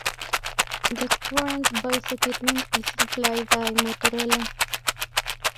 The current voice equipment is supplied by Motorola.